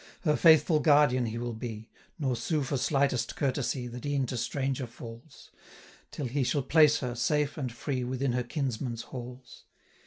Her faithful guardian he will be, 885 Nor sue for slightest courtesy That e'en to stranger falls, Till he shall place her, safe and free, Within her kinsman's halls.'